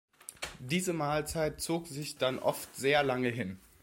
Diese Mahlzeit zog sich dann oft sehr lange hin.